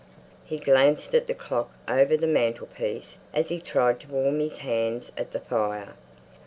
He glanced at the clock over the mantel piece, as he tried to warm his hands at the fire.